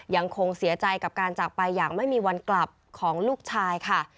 ยังคงเสียใจกับการจากไปอย่างไม่มีวันกลับของลูกชายค่ะ